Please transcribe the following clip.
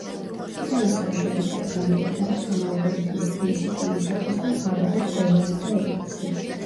ჩვენ ასევე შეგვიძლია გამოვიყენოთ ამ ალგორითმის პრინციპი იმისათვის, რომ ავაგოთ ოვალი და ელიფსი.